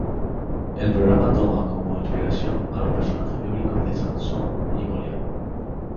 El programa toma como inspiración a los personajes bíblicos de Sansón y Goliat.